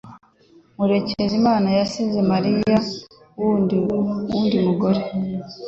Murekezimana yasize Mariya ku wundi mugore